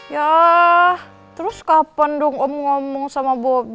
yah terus kapan dong om ngomong sama bobby